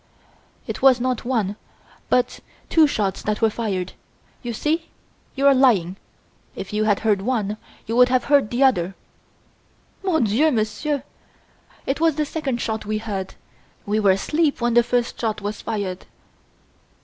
"It was not one, but two shots that were fired! You see, you are lying. If you had heard one, you would have heard the other." "Mon Dieu! Monsieur it was the second shot we heard. We were asleep when the first shot was fired."